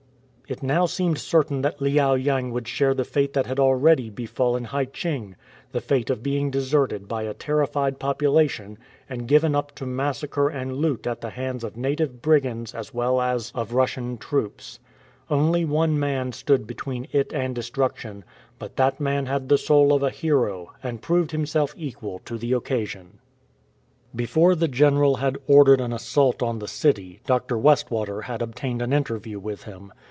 It now seemed certain that Liao yang would share the fate that had already befallen Hai cheng — the fate of being deserted by a terrified population and given up to massacre and loot at the hands of native brigands as well as of Russian troops. Only one man stood between it and destruction, but that man had the soul of a hero, and proved himself equal to the occasion. 92 AN AMBASSADOR OF PEACE Before the general had ordered an assault upon the city, Dr. Westwater had obtained an interview with him.